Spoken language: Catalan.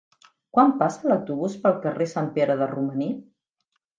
Quan passa l'autobús pel carrer Sant Pere de Romaní?